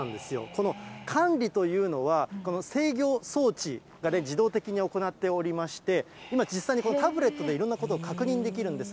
この管理というのは、制御装置が自動的に行っておりまして、今、実際にこのタブレットでいろんなことを確認できるんです。